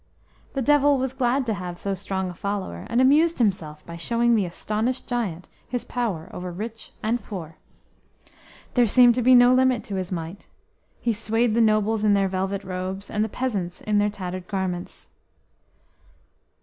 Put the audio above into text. The Devil was glad to have so strong a follower, and amused himself by showing the astonished giant his power over rich and poor. There seemed to be no limit to his might; he swayed the nobles in their velvet robes, and the peasants in their tattered garments.